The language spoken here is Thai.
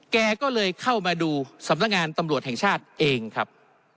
แกก็เลยเข้ามาดูสำนักงานตำรวจแห่งชาติเองครับ